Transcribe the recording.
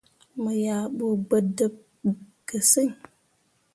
Mo yah ɓu gbǝ dǝɓ ge sǝŋ.